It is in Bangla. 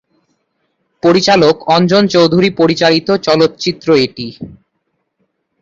পরিচালক অঞ্জন চৌধুরী পরিচালিত চলচ্চিত্র এটি।